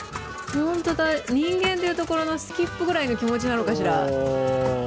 人間でいうところのスキップぐらいの気持ちなのかしら。